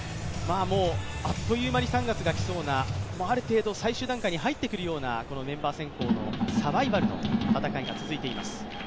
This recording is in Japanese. もうあっという間に３月が来そうなある程度最終段階に入ってくるようなメンバー選考のサバイバルの戦いが続いています